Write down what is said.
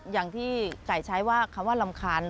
อย่างที่ไก่ใช้ว่าคำว่ารำคาญ